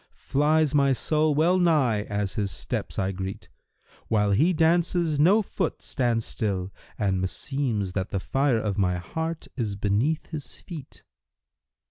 * Flies my soul well nigh as his steps I greet: While he dances no foot stands still and meseems * That the fire of my heart is beneath his feet."